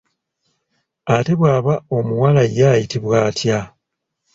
Ate bw'aba omuwala ye ayitibwa atya?